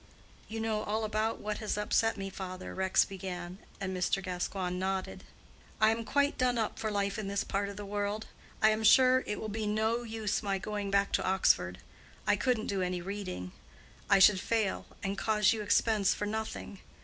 "You know all about what has upset me, father," Rex began, and Mr. Gascoigne nodded. "I am quite done up for life in this part of the world. I am sure it will be no use my going back to Oxford. I couldn't do any reading. I should fail, and cause you expense for nothing.